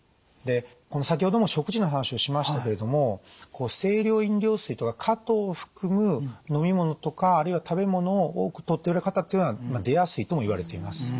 で先ほども食事の話をしましたけれども清涼飲料水とか果糖を含む飲み物とかあるいは食べ物を多くとっておられる方っていうのは出やすいともいわれています。